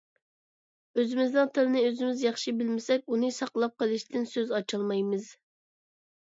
ئۆزىمىزنىڭ تىلىنى ئۆزىمىز ياخشى بىلمىسەك، ئۇنى ساقلاپ قېلىشتىن سۆز ئاچالمايمىز.